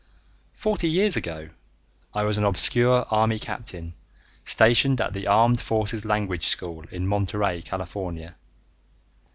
Forty years ago I was an obscure Army captain stationed at the Armed Forces Language School in Monterey, California.